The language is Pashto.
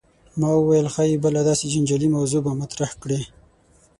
ما ویل ښايي بله داسې جنجالي موضوع به مطرح کړې.